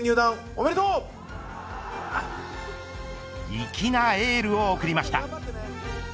粋なエールを送りました。